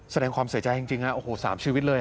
แสดงความเสียใจจริงสามชีวิตเลย